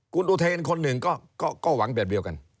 คุณอุเทนคนหนึ่งก็หวังแบบเดียวกัน